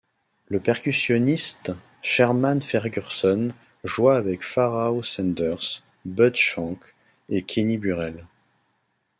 Le percussionniste Sherman Fergurson joua avec Pharaoh Sanders, Bud Shank et Kenny Burrell.